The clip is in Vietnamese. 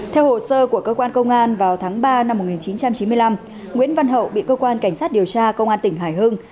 theo hồ sơ của cơ quan công an vào tháng ba năm một nghìn chín trăm chín mươi năm nguyễn văn hậu bị cơ quan cảnh sát điều tra công an tỉnh hải hưng